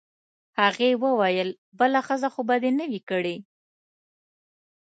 هغې وویل: بله ښځه خو به دي نه وي کړې؟